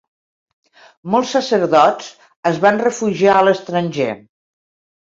Molts sacerdots es van refugiar a l'estranger.